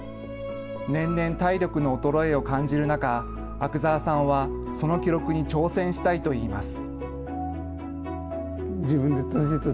年々体力の衰えを感じる中、阿久澤さんはその記録に挑戦したいといいます。